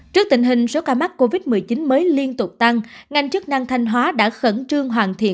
trước tình hình số ca mắc covid một mươi chín mới liên tục tăng ngành chức năng thanh hóa đã khẩn trương hoàn thiện